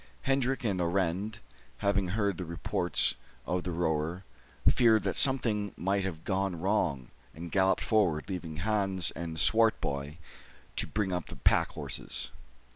Hendrik and Arend, having heard the reports of the roer, feared that something might have gone wrong, and galloped forward, leaving Hans and Swartboy to bring up the pack horses.